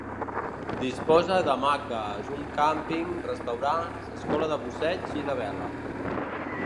Disposa d'hamaques, un càmping, restaurants, escola de busseig i de vela.